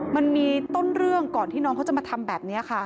มันมีต้นเรื่องก่อนที่น้องเขาจะมาทำแบบนี้ค่ะ